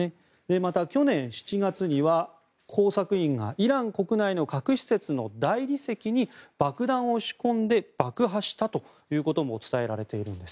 また、去年７月には工作員がイラン国内の核施設の大理石に爆弾を仕込んで爆破したということも伝えられているんです。